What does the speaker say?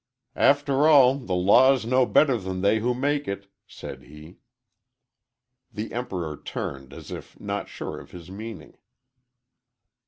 "After all, the law is no better than they who make it," said he. The Emperor turned as if not sure of his meaning.